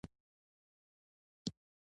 پلان څنګه تطبیق کړو؟